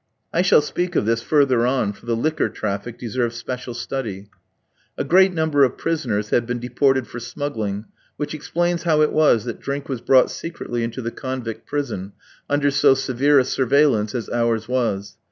I shall speak of this further on, for the liquor traffic deserves special study. A great number of prisoners had been deported for smuggling, which explains how it was that drink was brought secretly into the convict prison, under so severe a surveillance as ours was.